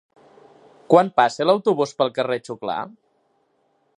Quan passa l'autobús pel carrer Xuclà?